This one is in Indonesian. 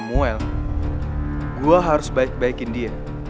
muel gue harus baik baikin dia